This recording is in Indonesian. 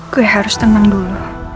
gue harus tenang dulu